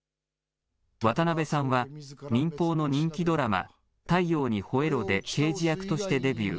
渡辺さんは、民放の人気ドラマ、太陽にほえろ！で刑事役としてデビュー。